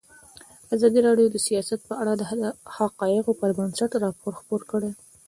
ازادي راډیو د سیاست په اړه د حقایقو پر بنسټ راپور خپور کړی.